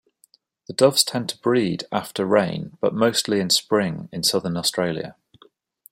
The doves tend to breed after rain but mostly in spring in Southern Australia.